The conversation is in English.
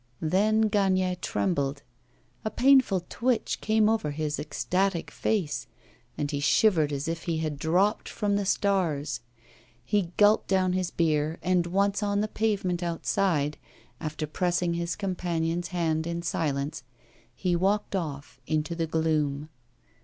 Then Gagnière trembled. A painful twitch came over his ecstatic face, and he shivered as if he had dropped from the stars. He gulped down his beer, and once on the pavement outside, after pressing his companion's hand in silence, he walked off into the gloom.